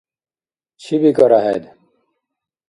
Чи бикӀара хӀед?